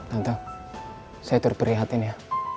tante saya turut perhatian ya